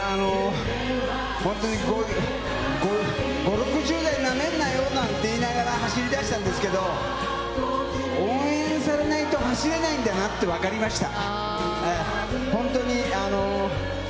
本当に５、６０代なめんなよなんて言いながら走りだしたんですけど、応援されないと走れないんだなって分かりました。